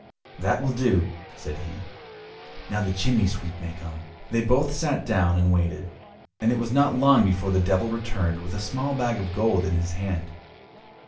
"That will do," said he; "now the chimney sweep may come." They both sat down and waited, and it was not long before the Devil returned with a small bag of gold in his hand.